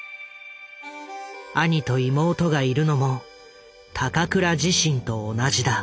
兄と妹がいるのも高倉自身と同じだ。